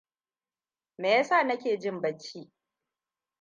Me ya sa nake jin bacci?